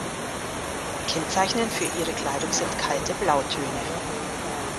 Kennzeichnend für ihre Kleidung sind kalte Blautöne.